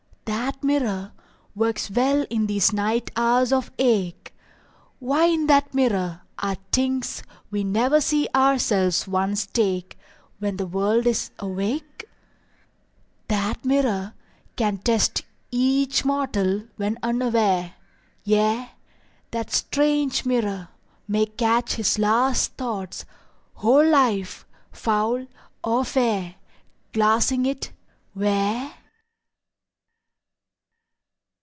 That mirror Works well in these night hours of ache; Why in that mirror Are tincts we never see ourselves once take When the world is awake? That mirror Can test each mortal when unaware; Yea, that strange mirror May catch his last thoughts, whole life foul or fair, Glassing it—where?